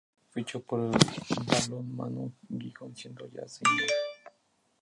Fichó por el Balonmano Gijón siendo ya Senior.